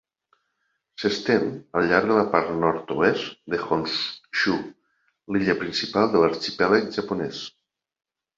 S'estén al llarg de la part nord-oest de Honshu, l'illa principal de l'arxipèlag japonès.